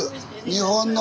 日本の。